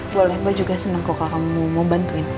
boleh mbak juga senang kok kalau kamu mau bantuin